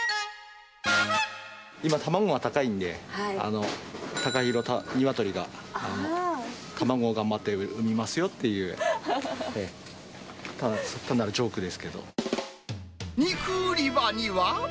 今、卵が高いんで、タカヒロ鶏が、卵を頑張って産みますよっていう単なるジョークで肉売り場には。